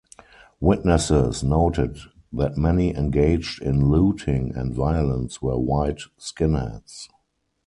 Witnesses noted that many engaged in looting and violence were white skinheads.